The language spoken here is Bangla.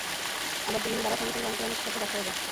আবার দিন বাড়ার সঙ্গে সঙ্গে অনেকের অনেক স্বপ্ন ঝাপসা হয়ে যায়।